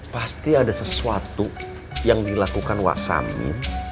pasti ada sesuatu yang dilakukan wasami